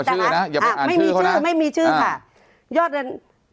ไม่เอาชื่อเลยนะอย่าบอกอ่านชื่อเขานะไม่มีชื่อไม่มีชื่อค่ะยอดเงิน